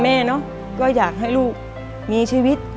มันต้องการแล้วก็หายให้มัน